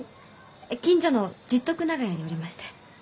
近所の十徳長屋におりまして。